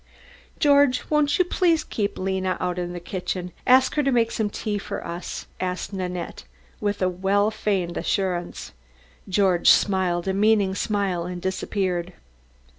"George, won't you please keep Lena out in the kitchen. Ask her to make some tea for us," asked Nanette with well feigned assurance. George smiled a meaning smile and disappeared.